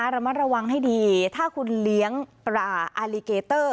ระมัดระวังให้ดีถ้าคุณเลี้ยงปลาอาลิเกเตอร์